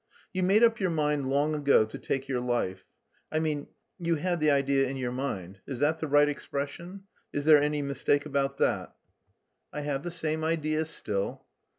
"You made up your mind long ago to take your life... I mean, you had the idea in your mind. Is that the right expression? Is there any mistake about that?" "I have the same idea still."